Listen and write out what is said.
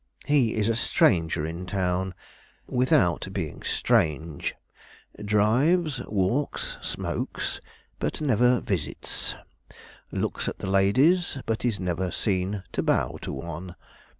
He is a stranger in town, without being strange; drives, walks, smokes, but never visits; looks at the ladies, but is never seen to bow to one.